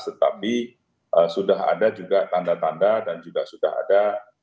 tetapi sudah ada juga tanda tanda dan juga sudah ada